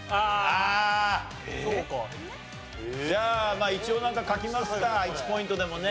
じゃあ一応なんか書きますか１ポイントでもね。